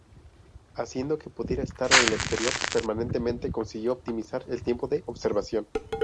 Haciendo que pudiera estar en el exterior permanentemente consiguió optimizar el tiempo de observación.